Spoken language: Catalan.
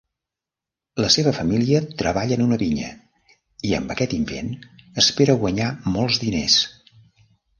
La seva família treballa en una vinya, i amb aquest invent espera guanyar molts diners.